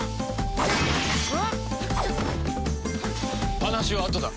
話はあとだ。